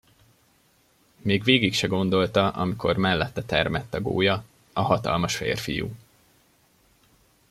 Még végig se gondolta, amikor mellette termett a gólya, a hatalmas férfiú.